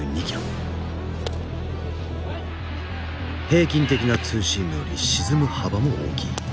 平均的なツーシームより沈む幅も大きい。